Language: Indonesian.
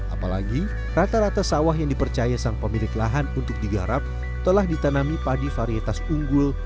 apalagi rata rata sawah yang dipercaya sang pemilik lahan untuk digarap telah ditanami padi varietas unggul